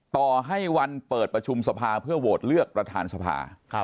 ต่อให้วันเปิดประชุมสภาเพื่อโหวตเลือกประธานสภา